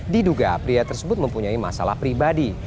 diduga pria tersebut mempunyai masalah pribadi